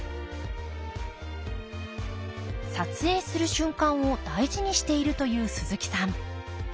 撮影する瞬間を大事にしているという鈴木さん。